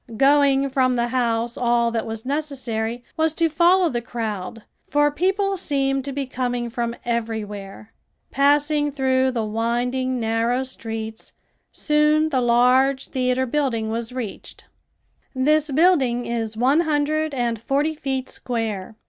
Going from the house all that was necessary was to follow the crowd, for people seemed to be coming from everywhere. Passing through the winding, narrow streets, soon the large theater building was reached. This building is one hundred and forty feet square.